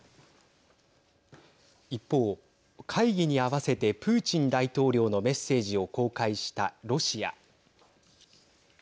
一方、会議に合わせてプーチン大統領のメッセージを公開したロシア。